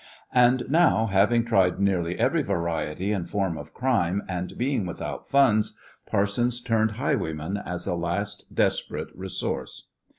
And now having tried nearly every variety and form of crime, and being without funds, Parsons turned highwayman as a last desperate resource.